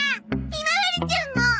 ひまわりちゃんも！